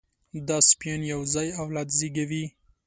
دا سپيان یو ځای اولاد زېږوي.